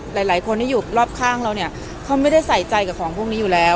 หลายคนที่อยู่รอบข้างเราเนี่ยเขาไม่ได้ใส่ใจกับของพวกนี้อยู่แล้ว